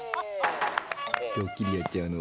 ドッキリやっちゃうの。